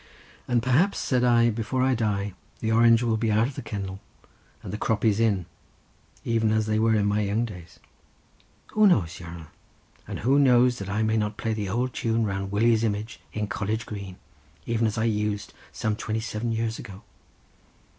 "And perhaps," said I, "before I die, the Orange will be out of the kennel and the Croppies in, even as they were in my young days." "Who knows, your hanner? and who knows that I may not play the ould tune round Willie's image in College Green, even as I used some twenty seven years ago?"